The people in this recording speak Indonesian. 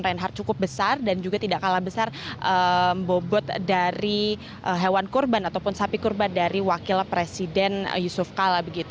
reinhardt cukup besar dan juga tidak kalah besar bobot dari hewan kurban ataupun sapi kurban dari wakil presiden yusuf kala